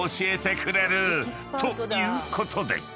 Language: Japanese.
ということで］